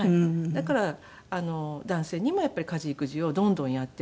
だから男性にも家事育児をどんどんやってほしい。